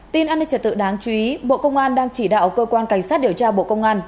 tin an ninh trở tự đáng chú ý bộ công an đang chỉ đạo cơ quan cảnh sát điều tra bộ công an